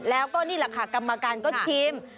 แล้วก็นี่แหละค่ะกรรมการก็ชิม